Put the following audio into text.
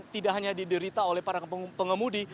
tidak hanya diderita oleh para pengemudi